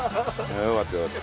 よかったよかった。